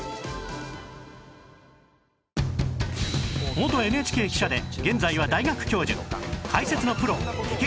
元 ＮＨＫ 記者で現在は大学教授